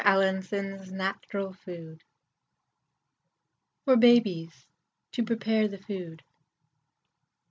ALLINSON'S NATURAL FOOD FOR BABIES. (To Prepare the Food.)